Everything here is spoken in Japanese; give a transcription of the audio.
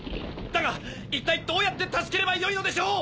だが一体どうやって助ければよいのでしょう！